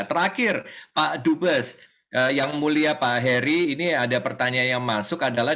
terakhir pak dubes yang mulia pak heri ini ada pertanyaan yang masuk adalah